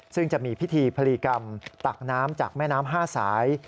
ซึ่งจะมีพิธีพลีกรรมตักน้ำจากแม่น้ำ๕สาย